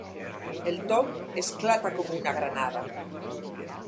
El Tom esclata com una granada.